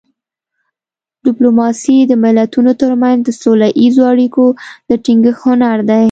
ډیپلوماسي د ملتونو ترمنځ د سوله اییزو اړیکو د ټینګښت هنر دی